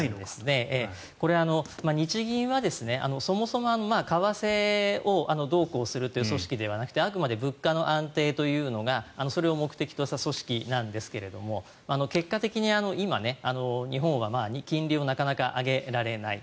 これは日銀はそもそも為替をどうこうするという組織ではなくてあくまで物価の安定というのがそれを目的とした組織なんですが結果的に今、日本は金利をなかなか上げられない。